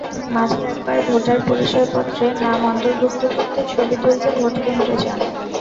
মাঝে একবার ভোটার পরিচয়পত্রে নাম অন্তর্ভুক্ত করতে ছবি তুলতে ভোটকেন্দ্রে যান।